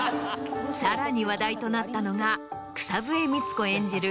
さらに話題となったのが草笛光子演じる